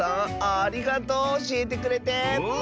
ありがとうおしえてくれて！